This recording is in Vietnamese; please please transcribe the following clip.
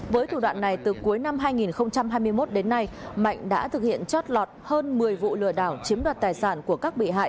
với thủ đoạn này từ cuối năm hai nghìn hai mươi một đến nay mạnh đã thực hiện chót lọt hơn một mươi vụ lừa đảo chiếm đoạt tài sản của các bị hại